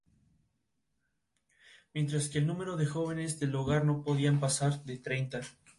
Mientras que el número de jóvenes del hogar no podían pasar de treinta.